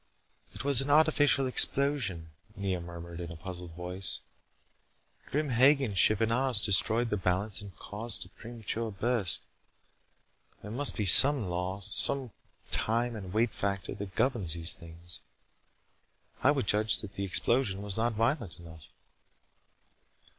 "It was an artificial explosion," Nea murmured in a puzzled voice. "Grim Hagen's ship and ours destroyed the balance and caused a premature burst. There must be some law some time and weight factor that governs these things. I would judge that the explosion was not violent enough."